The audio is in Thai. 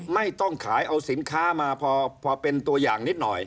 ไม่ต้องขายเอาสินค้ามาพอเป็นตัวอย่างนิดหน่อย